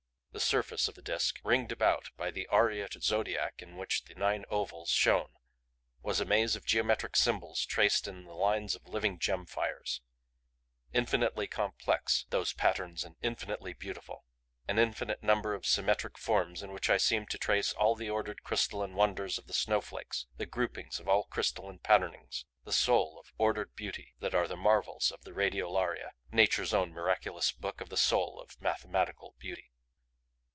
The surface of the Disk ringed about by the aureate zodiac in which the nine ovals shone was a maze of geometric symbols traced in the lines of living gem fires; infinitely complex those patterns and infinitely beautiful; an infinite number of symmetric forms in which I seemed to trace all the ordered crystalline wonders of the snowflakes, the groupings of all crystalline patternings, the soul of ordered beauty that are the marvels of the Radiolaria, Nature's own miraculous book of the soul of mathematical beauty.